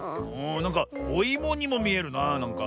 なんかおいもにもみえるななんか。